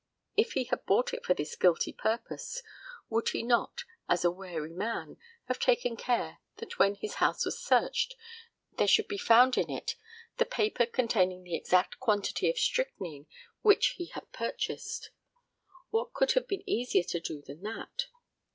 If he had bought it for this guilty purpose, would he not, as a wary man, have taken care that when his house was searched there should be found in it the paper containing the exact quantity of strychnine which he had purchased? What could have been easier to do than that?